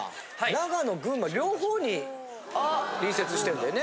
長野・群馬両方に隣接してんだよね。